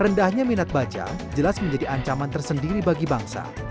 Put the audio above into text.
rendahnya minat baca jelas menjadi ancaman tersendiri bagi bangsa